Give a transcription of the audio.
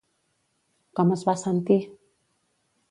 Com es va sentir?